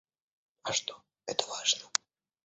А что, это важно?